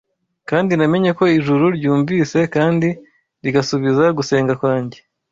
Kandi namenye ko ijuru ryumvise kandi rigasubiza gusenga kwanjye